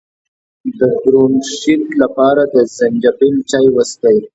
د برونشیت لپاره د زنجبیل چای وڅښئ